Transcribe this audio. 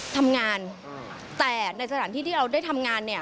ทำงานแต่ในสถานที่ที่เราได้ทำงานเนี่ย